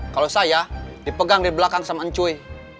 kalau saya dipegang di belakang sama encuy